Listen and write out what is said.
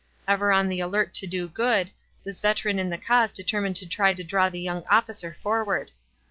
Ever on the alert to do good, this veteran in the cause determined to try to draw the young officer forward.